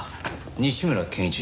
西村健一。